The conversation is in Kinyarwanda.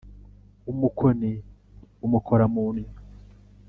umukoni umukora mu nnyo